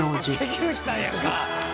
関口さんやんか！